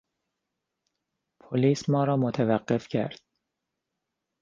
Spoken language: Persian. پلیس ما را متوقف کرد.